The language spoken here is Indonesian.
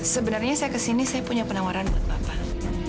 sebenarnya saya kesini saya punya penawaran buat bapak